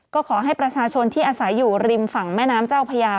ก็ขอให้ประชาชนที่อาศัยอยู่ริมฝั่งแม่น้ำเจ้าพญา